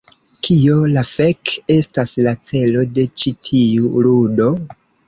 Kio la fek estas la celo de ĉi tiu ludo?